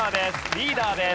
リーダーです。